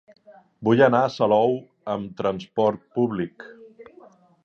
Vull anar a Salou amb trasport públic.